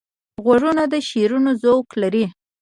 غوږونه د شعرونو ذوق لري